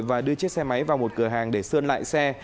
và đưa chiếc xe máy vào một cửa hàng để sơn lại xe